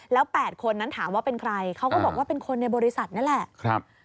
แล้ว๘คนนั้นถามว่าเป็นใครเขาก็บอกว่าเป็นคนในบริษัทนั่นแหละ